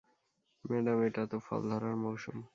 Madam, এটা তো ফল ধরার মৌসুম।